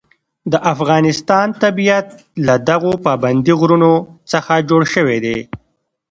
د افغانستان طبیعت له دغو پابندي غرونو څخه جوړ شوی دی.